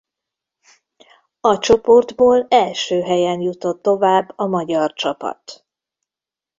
A csoportból első helyen jutott tovább a magyar csapat.